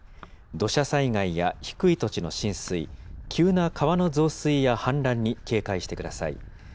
土砂災害や低い土地の浸水、急な川の増水や氾濫に警戒してください。